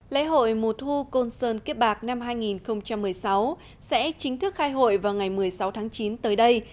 lễ hội mùa thu côn sơn kiếp bạc năm hai nghìn một mươi sáu sẽ chính thức khai hội vào ngày một mươi sáu tháng chín tới đây